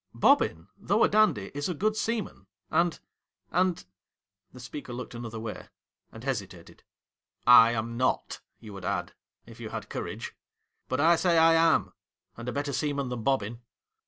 Bobbin, though a dandy, is a good seaman, and — and .' The speaker looked another way, and hesitated. ' I am not, you would add — if you had courage. But I say I am, and a better sea man than Bobbin.'